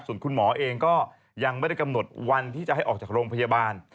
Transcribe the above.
ส่วนคุณหมอเองก็ยังไม่ได้กำหนดวันที่จะให้ออกจากโรงพยาบาล